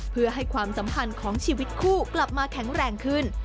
เพื่อให้ความสัมพันธ์ของชีวิตคู่กลับมาแข็งแรงขึ้น